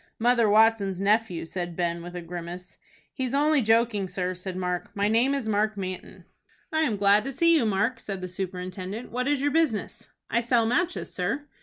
"Mother Watson's nephew," said Ben, with a grimace. "He's only joking, sir," said Mark. "My name is Mark Manton." "I am glad to see you, Mark," said the superintendent. "What is your business?" "I sell matches, sir."